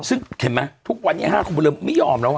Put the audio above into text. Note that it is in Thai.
ซึ่งเห็นไหมทุกวันนี้๕คนบนเรือไม่ยอมแล้ว